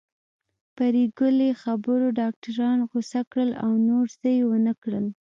د پري ګلې خبرو ډاکټران غوسه کړل او نور څه يې ونکړل